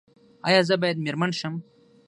ایا زه باید میرمن شم؟